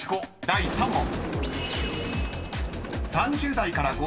第３問］